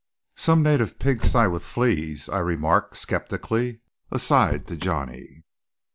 "Some native pig sty with fleas," I remarked skeptically, aside, to Johnny.